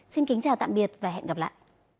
xin kính chào tạm biệt và hẹn gặp lại